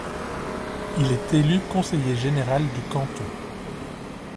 Il est élu conseiller général du canton.